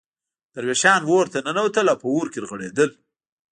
درویشان اورته ننوتل او په اور کې رغړېدل.